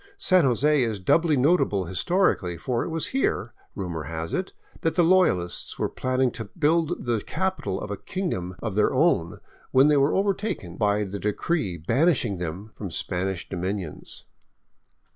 San Jose is doubly notable historically, for it was here, rumor has it, that the Loyalists were planning to build the capital of a kingdom of their own when they were overtaken by the decree banish ing them from Spanish dominions.